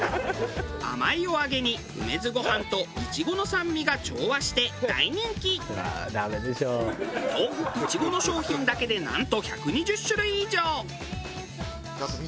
甘いお揚げに梅酢ご飯とイチゴの酸味が調和して大人気。とイチゴの商品だけでなんと１２０種類以上！